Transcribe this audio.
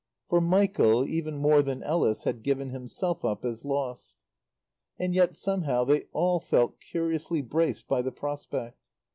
For Michael, even more than Ellis, had given himself up as lost. And yet somehow they all felt curiously braced by the prospect.